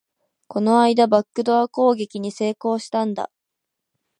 この間、バックドア攻撃に成功したんだ